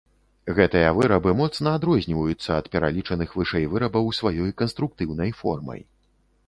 Гэтыя вырабы моцна адрозніваюцца ад пералічаных вышэй вырабаў сваёй канструктыўнай формай.